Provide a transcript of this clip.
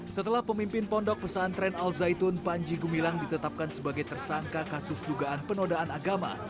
setelah pemimpin pondok pesantren al zaitun panji gumilang ditetapkan sebagai tersangka kasus dugaan penodaan agama